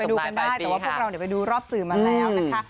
ดูกันได้แต่ว่าพวกเราไปดูรอบสื่อมาแล้วนะคะ